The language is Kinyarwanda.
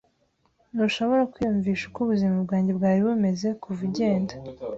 Ntushobora kwiyumvisha uko ubuzima bwanjye bwari bumeze kuva ugenda.